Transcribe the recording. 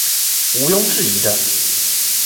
无庸置疑的